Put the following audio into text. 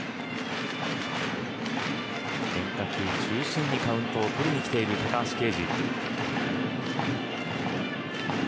変化球中心にカウントを取りにきている高橋奎二。